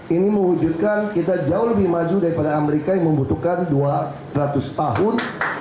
ini mewujudkan kita jauh lebih maju daripada amerika yang membutuhkan dua ratus tahun